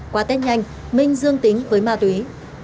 qua tết nhanh minh dương tính với ma túy